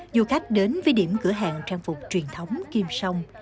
du khách đến với điểm cửa hàng trang phục truyền thống kim sông